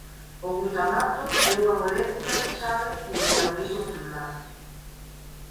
O glutamato é unha molécula chave no metabolismo celular.